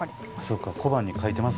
そっか小判に書いてます